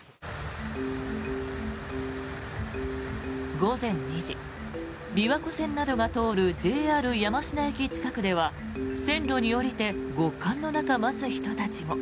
午前２時、琵琶湖線などが通るＪＲ山科駅近くでは線路に下りて極寒の中、待つ人たちも。